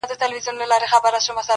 حمزه د هنري شعري ښکلا